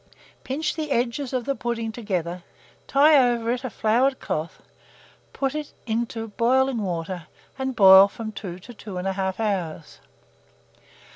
Pinch the edges of the pudding together, tie over it a floured cloth, put it into boiling water, and boil from 2 to 2 1/2 hours.